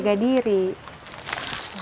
sok dulu ya